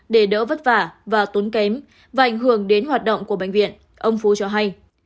để đỡ vất vả và tốn kém và ảnh hưởng đến hoạt động của bệnh viện ông phú cho hay